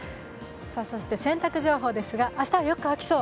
洗濯情報ですが、明日はよく乾きそう。